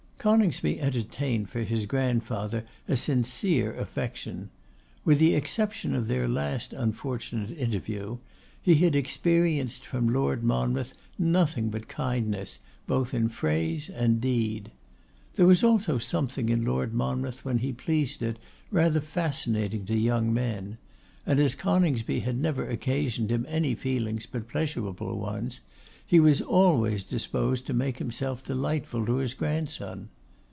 Coningsby entertained for his grandfather a sincere affection. With the exception of their last unfortunate interview, he had experienced from Lord Monmouth nothing but kindness both in phrase and deed. There was also something in Lord Monmouth, when he pleased it, rather fascinating to young men; and as Coningsby had never occasioned him any feelings but pleasurable ones, he was always disposed to make himself delightful to his grandson.